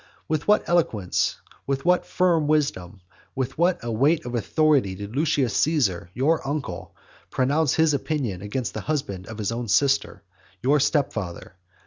With what eloquence, with what firm wisdom, with what a weight of authority did Lucius Caesar your uncle, pronounce his opinion against the husband of his own sister, your stepfather.